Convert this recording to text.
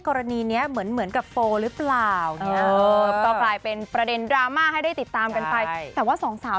เกราะนี้เหมือนกับโฟเรื้อเปล่า